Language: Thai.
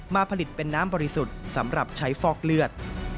ผลิตเป็นน้ำบริสุทธิ์สำหรับใช้ฟอกเลือด